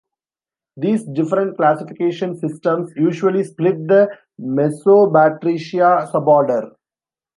These different classification systems usually split the Mesobatrachia suborder.